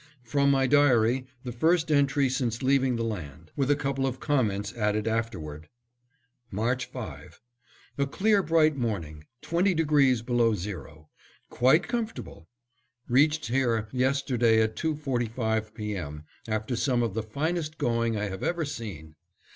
From my diary, the first entry since leaving the land; with a couple of comments added afterward: March 5: A clear bright morning, 20° below zero; quite comfortable. Reached here yesterday at two forty five P. M., after some of the finest going I have ever seen.